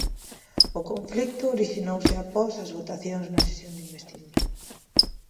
O conflito orixinouse após as votacións na sesión de investidura.